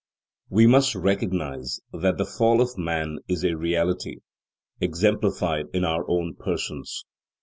We must recognize that the fall of man is a reality, exemplified in our own persons.